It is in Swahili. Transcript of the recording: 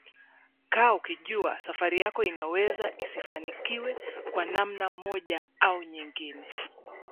kaa ukijua safari yako inaweza isifanikiwe kwa namna moja au nyingine